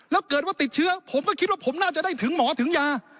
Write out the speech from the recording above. แล้วเกิดว่าติดเชื้อผมก็คิดว่าผมน่าจะได้ถึงหมอถึงยา